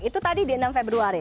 itu tadi di enam februari